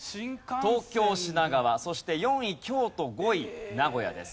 東京品川そして４位京都５位名古屋です。